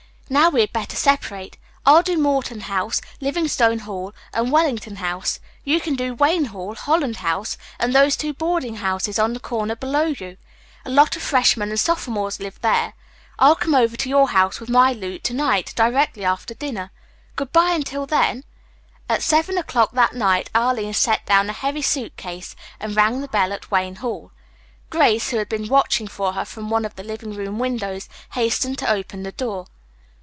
"Now we had better separate. I'll do Morton House, Livingstone Hall and Wellington House. You can do Wayne Hall, Holland House and those two boarding houses on the corner below you. A lot of freshmen and sophomores live there. I'll come over to your house with my loot to night, directly after dinner. Good bye until then." At seven o'clock that night Arline set down a heavy suit case and rang the bell at Wayne Hall. Grace, who had been watching for her from one of the living room windows, hastened to open the door.